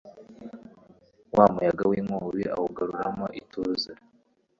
wa muyaga w’inkubi awugaruramo ituze